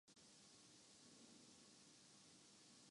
انہیں شاید اندازہ نہیں یہ نواز شریف کا میدان ہے۔